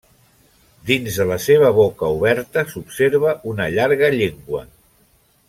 Dins de la seva boca oberta s'observa una llarga llengua.